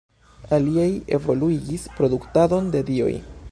Aliaj evoluigis produktadon de dioj.